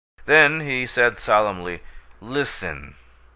Then he said, solemnly: "Listen.